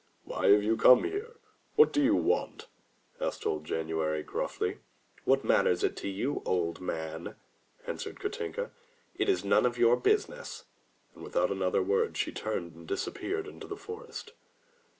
'' "Why have you come here? What do you want?'' asked old January gruflfly. "What matters it to you, old man?" answered Katinka. "It is none of your business." And without another word she turned and disappeared in the forest.